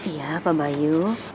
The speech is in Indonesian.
iya pak bayu